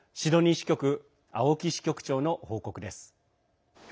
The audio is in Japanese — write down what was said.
支局青木支局長の報告です。